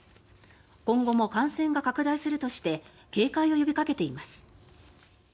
今後も感染が拡大するとして警戒を呼びかけています。